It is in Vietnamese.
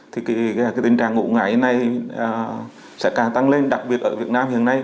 thì tình trạng ngủ ngáy này sẽ càng tăng lên đặc biệt ở việt nam hiện nay